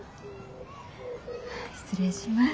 失礼します。